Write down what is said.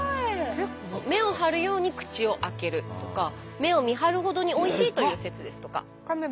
「目を張るように口を開ける」とか「目を見張るほどにおいしい」という説ですとか。